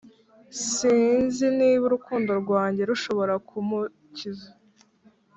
sinzi niba urukundo rwanjye rushobora kumukiza.